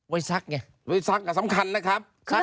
ไว้ซักเนี่ยซักก็สำคัญนะครับ